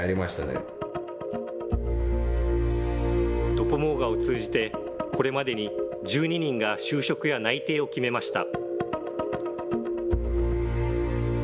ドポモーガを通じて、これまでに１２人が就職や内定を決めました。